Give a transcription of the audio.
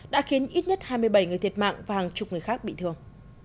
đã khiến ít nhất hai mươi bảy người thiệt mạng và hàng chục người khác bị thương